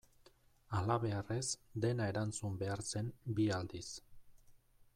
Halabeharrez dena erantzun behar zen bi aldiz.